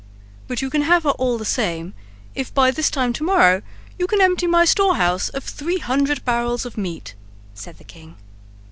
"But you can have her all the same, if by this time to morrow you can empty my storehouse of three hundred barrels of meat," said the king.